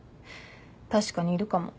確かにいるかも。